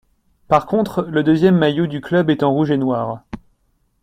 Par contre le deuxième maillot du club est en rouge et noir.